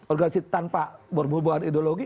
organisasi tanpa berbubuhan ideologi